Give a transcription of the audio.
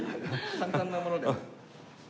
簡単なもので。